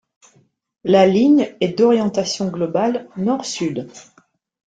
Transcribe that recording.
La ligne est d'orientation globale Nord-Sud.